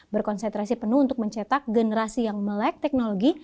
berkonsentrasi penuh untuk mencetak generasi yang melek teknologi